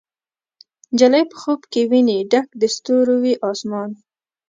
نجلۍ په خوب کې ویني ډک د ستورو، وي اسمان